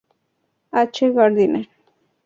H. Gardiner.